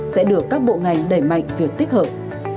sẽ được các bộ ngành đẩy mạnh việc tích hợp